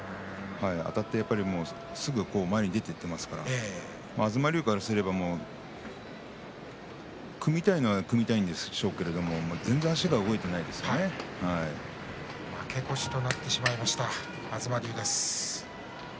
あたってすぐに前に出ていっていますから東龍からすれば、組みたいのは組みたいんでしょうが負け越しとなってしまいました、東龍です。